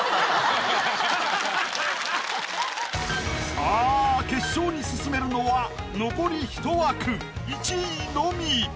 さあ決勝に進めるのは残り１枠１位のみ。